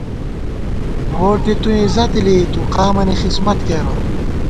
ووٹی تُوئیں عزت لېئی تُو، قامَنی خِسمت کېرہ